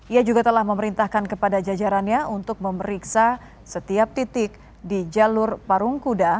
ia juga telah memerintahkan kepada jajarannya untuk memeriksa setiap titik di jalur parung kuda